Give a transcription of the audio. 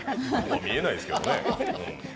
見えないですけどね。